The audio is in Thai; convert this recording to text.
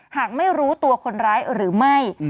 หากไม่รู้ตัวคนร้ายหรือไม่